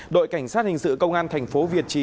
đội cảnh sát hình sự công an thành phố việt trì